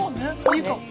いいかも。